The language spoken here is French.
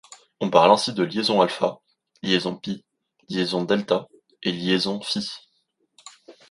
On parle ainsi de liaison σ, liaison π, liaison δ et liaison φ.